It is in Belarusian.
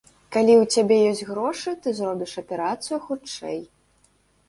Калі ў цябе ёсць грошы, ты зробіш аперацыю хутчэй.